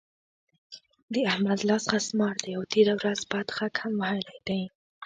د احمد لاس خسمار دی؛ او تېره ورځ بد غږ هم وهلی دی.